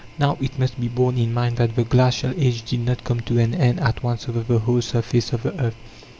Now it must be borne in mind that the glacial age did not come to an end at once over the whole surface of the earth.